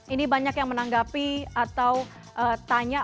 ini banyak yang menanggapi atau tanya